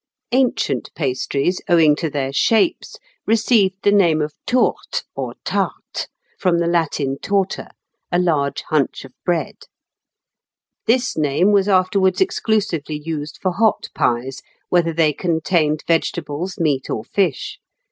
Ancient pastries, owing to their shapes, received the name of tourte or tarte, from the Latin torta, a large hunch of bread. This name was afterwards exclusively used for hot pies, whether they contained vegetables, meat, or fish.